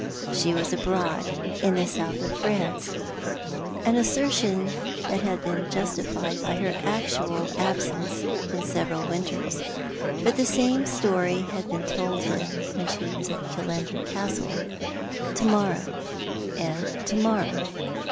She was abroad — in the South of France— an assertion that had been justified by her actual absence in several winters — but the Death in Life, 297 same storj'haci been to'd him when she was at Killander Castle. To morrow and to morrow.